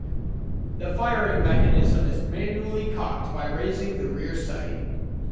The firing mechanism is manually cocked by raising the rear sight.